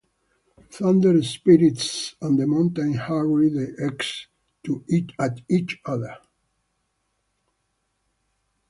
Thunder Spirits on the mountains hurled the "eggs" at each other.